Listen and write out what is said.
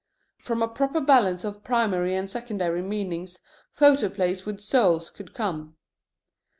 From a proper balance of primary and secondary meanings photoplays with souls could come.